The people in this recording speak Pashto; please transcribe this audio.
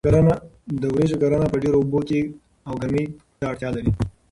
د وریژو کرنه ډیرو اوبو او ګرمۍ ته اړتیا لري.